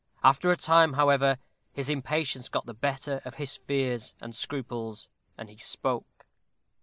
After a time, however, his impatience got the better of his fears and scruples, and he spoke.